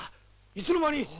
いつの間に？